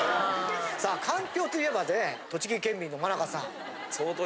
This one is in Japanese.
さあかんぴょうといえばね栃木県民の真中さん。